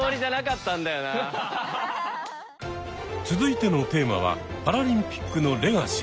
続いてのテーマはパラリンピックのレガシー。